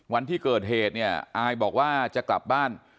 วันที่เกิดเหตุเนี่ยอายบอกว่าจะกลับบ้าน